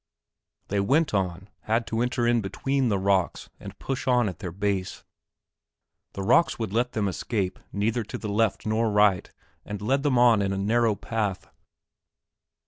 They went on, had to enter in between the rocks and push on at their base. The rocks would let them escape neither to left nor right and led them on in a narrow path.